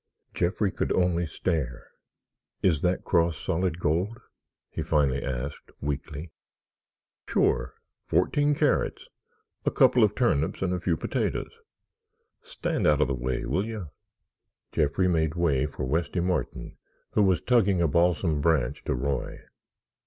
Jeffrey could only stare. "Is that cross solid gold?" he finally asked, weakly. "Sure—14 carrots—a couple of turnips and a few potatoes. Stand out of the way, will you?" Jeffrey made way for Westy Martin, who was tugging a balsam branch to Roy.